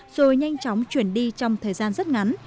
rồi nhanh chóng chuyển đi trong thời gian rất ngắn